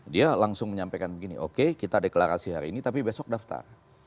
dia langsung menyampaikan begini oke kita deklarasi hari ini tapi besok daftar